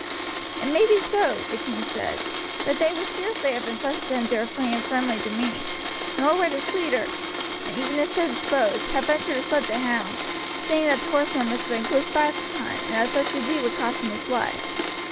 "It may be so," the king replied; "but they would scarcely have intrusted him to a hand friendly to me. Nor would his leader, even if so disposed, have ventured to slip the hound, seeing that the horsemen must have been close by at the time, and that such a deed would cost him his life.